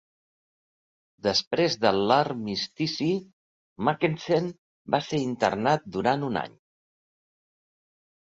Després de l'Armistici, Mackensen va ser internat durant un any.